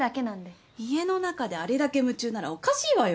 家の中であれだけ夢中ならおかしいわよ。